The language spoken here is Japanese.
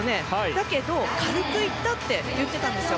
だけど、軽く行ったと言ってたんですよ。